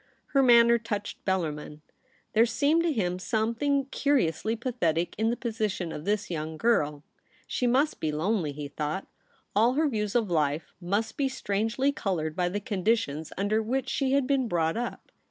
Her manner touched Bellarmin. There seemed to him something curiously pathetic in the position of this young girl. ' She MARY BEATON. 75 must be lonely,' he thought. All her views of life must be strangely coloured by the conditions under which she had been brought up.